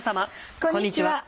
こんにちは。